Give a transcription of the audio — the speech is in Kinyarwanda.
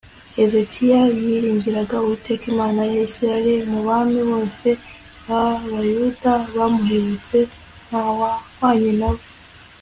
hezekiya yiringiraga uwiteka imana ya isirayeli. mu bami bose b'abayuda bamuherutse nta wahwanye na we